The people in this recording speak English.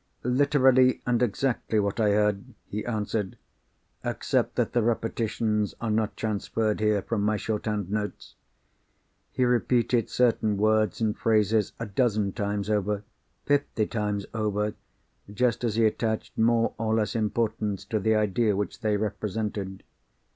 "Literally and exactly what I heard," he answered—"except that the repetitions are not transferred here from my short hand notes. He reiterated certain words and phrases a dozen times over, fifty times over, just as he attached more or less importance to the idea which they represented.